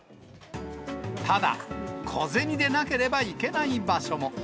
ただ、小銭でなければいけない場所も。